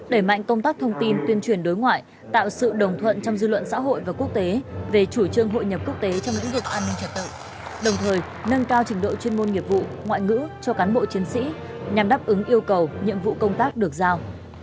đẩy mạnh công tác thông tin tuyên truyền đối ngoại tạo sự đồng thuận trong dư luận xã hội và quốc tế về chủ trương hội nhập quốc tế trong lĩnh vực an ninh trật tự đồng thời nâng cao trình độ chuyên môn nghiệp vụ ngoại ngữ cho cán bộ chiến sĩ nhằm đáp ứng yêu cầu nhiệm vụ công tác được giao